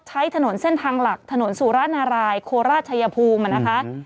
ใช้ถนนเส้นทางหลักถนนสุรนารายโคราชชายภูมินะคะ